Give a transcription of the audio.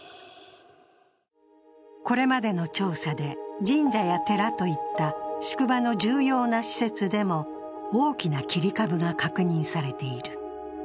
これまでの調査で、神社や寺といった宿場の重要な施設でも大きな切り株が確認されている。